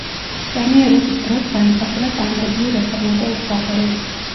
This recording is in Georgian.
პრემიერობის დროს დაიმსახურა წარმატებული რეფორმატორის სახელი.